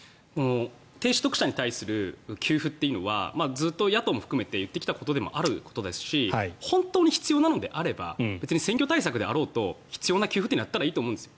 低所得者に対する給付というのはずっと野党も含めて言ってきたことではあることですし本当に必要なのであれば別に選挙対策であろうと必要な給付というのはやったらいいと思うんです。